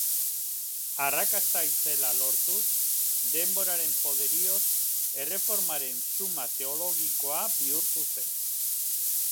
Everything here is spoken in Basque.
Arrakasta itzela lortuz, denboraren poderioz Erreformaren summa teologikoa bihurtu zen.